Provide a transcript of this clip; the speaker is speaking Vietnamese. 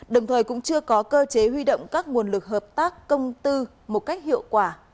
đồng thời cũng chưa có cơ chế huy động các nguồn lực hợp tác công tư một cách hiệu quả